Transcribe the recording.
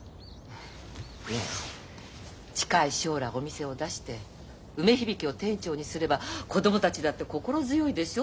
ねえ近い将来お店を出して梅響を店長にすれば子供たちだって心強いでしょ？